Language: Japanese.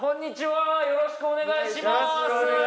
よろしくお願いします